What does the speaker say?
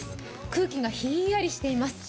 空気がひんやりしています。